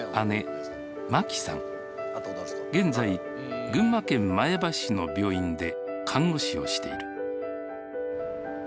現在群馬県前橋市の病院で看護師をしている。